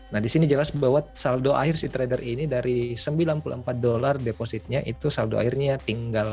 nah disini jelas bahwa saldo air si trader ini dari sembilan puluh empat dolar depositnya itu saldo airnya tinggal